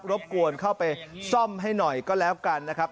บกวนเข้าไปซ่อมให้หน่อยก็แล้วกันนะครับ